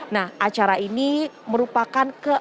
nah acara ini merupakan ke